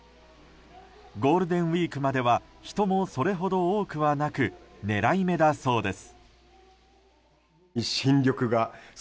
ゴールデンウィークまでは人もそれほど多くはなくねらい目だそうです。